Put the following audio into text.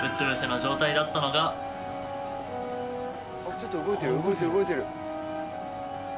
ちょっと動いてる動いてる動いてる。